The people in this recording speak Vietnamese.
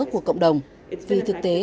của cộng đồng vì thực tế